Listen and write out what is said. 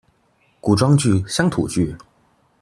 古裝劇，鄉土劇